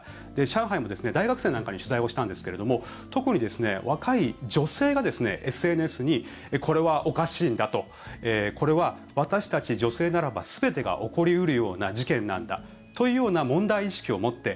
上海も、大学生なんかに取材をしたんですけれども特に若い女性がＳＮＳにこれはおかしいんだとこれは私たち女性ならば全てが起こり得るような事件なんだというような問題意識を持って